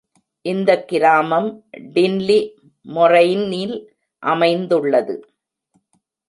இந்த கிராமம் டின்லி மொரெய்னில் அமைந்துள்ளது.